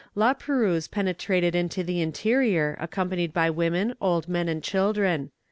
La Perouse penetrated into the interior, accompanied by women, old men, and children.